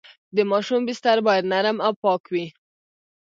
د ماشوم بستر باید نرم او پاک وي۔